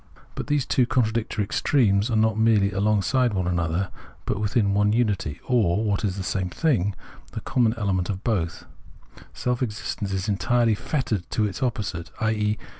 But these two contradictory extremes are not merely along side one another, but within one unity ; or, what is the same thing, the common element of both, self existence, is entirely fettered to its opposite, i.e.